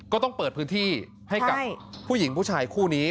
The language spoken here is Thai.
ก็ต้องเปิดพื้นที่ให้กับผู้หญิงผู้ชายคู่นี้